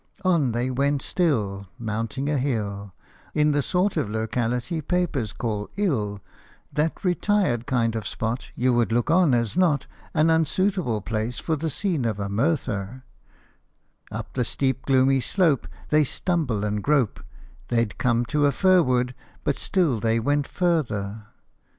On they went still, mounting a hill In the sort of locality papers call "ill" That retired kind of spot You would look on as not An unsuitable place for the scene of a murther Up the steep gloomy slope They stumble and grope ; They'd come to a fir wood, but still they went further.